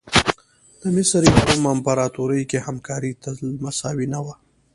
د مصر یا روم امپراتوري کې همکاري تل مساوي نه وه.